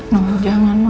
no jangan no